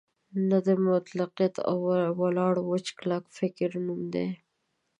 نه د مطلقیت او ولاړ وچ کلک فکر نوم دی.